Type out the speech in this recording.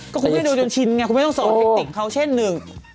ก็คุณไม่ได้ดูจนชินไงคุณไม่ต้องสอนเทคติกเขาเช่นหนึ่ง